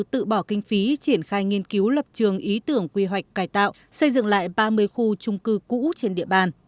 tự bỏ kinh phí triển khai nghiên cứu lập trường ý tưởng quy hoạch cải tạo xây dựng lại ba mươi khu trung cư cũ trên địa bàn